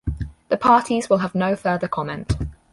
The Parties will have no further comment.